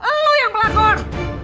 pelakor lu yang pelakor